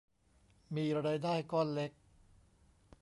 มีรายได้ก้อนเล็ก